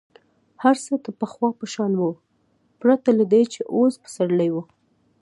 هر څه د پخوا په شان ول پرته له دې چې اوس پسرلی وو.